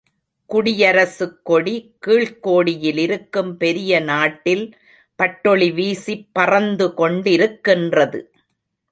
குடியரசுக் கொடி கீழ்க்கோடியிலிருக்கும் பெரிய நாட்டில் பட்டொளி வீசிப் பறந்து கொண்டிருக்கின்றது.